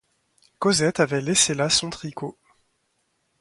Cosette avait laissé là son tricot.